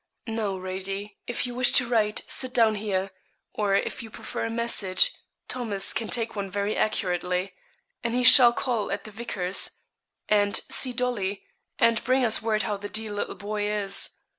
'Now, Radie, if you wish to write, sit down here or if you prefer a message, Thomas can take one very accurately; and he shall call at the vicar's, and see Dolly, and bring us word how the dear little boy is.